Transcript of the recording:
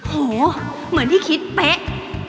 โหเหมือนที่คิดเป๊ะ